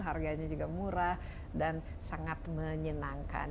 harganya juga murah dan sangat menyenangkan